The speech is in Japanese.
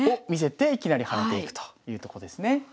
を見せていきなり変えていくというとこですね。